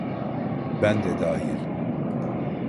Ben de dahil.